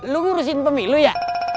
lu ngurusin pemilu ya